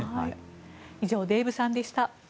以上、デーブさんでした。